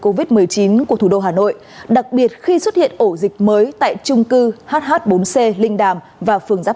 covid một mươi chín của thủ đô hà nội đặc biệt khi xuất hiện ổ dịch mới tại trung cư hh bốn c linh đàm và phường giáp